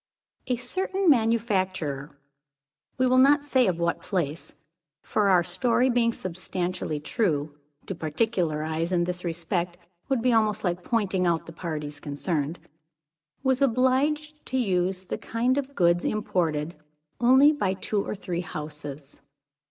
A certain manufacturer we will not say of what place, for, our story being substantially true, to particularize in this respect would be almost like pointing out the parties concerned was obliged to use a kind of goods imported only by two or three houses.